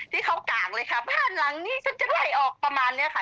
ที่เขากากเลยค่ะบ้านหลังนี้ฉันจะไล่ออกประมาณเนี้ยค่ะ